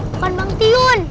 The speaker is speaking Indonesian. bukan bang tion